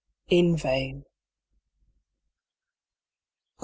IN VAIN. I.